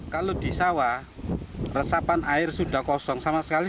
kalau di sawah resapan air sudah kosong sama sekali